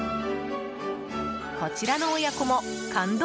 こちらの親子も感動